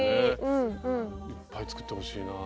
いっぱい作ってほしいなぁ。